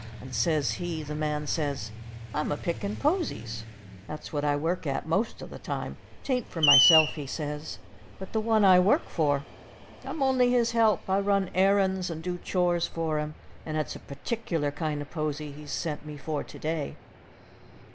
And says he, the man says: "I'm a pickin' posies. That's what I work at most o' the time. 'Tain't for myself," he says, "but the one I work for. I'm on'y his help. I run errands and do chores for him, and it's a partic'lar kind o' posy he's sent me for to day."